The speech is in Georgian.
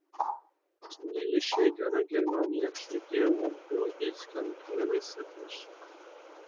წვლილი შეიტანა გერმანიაში გეომორფოლოგიის განვითარების საქმეში.